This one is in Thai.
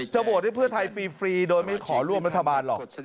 โหวตให้เพื่อไทยฟรีโดยไม่ขอร่วมรัฐบาลหรอก